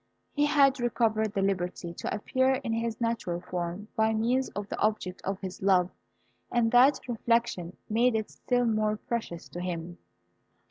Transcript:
He had recovered the liberty to appear in his natural form by means of the object of his love, and that reflection made it still more precious to him.